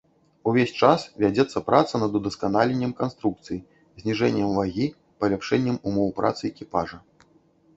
Увесь час вядзецца праца над удасканаленнем канструкцыі, зніжэннем вагі, паляпшэннем умоў працы экіпажа.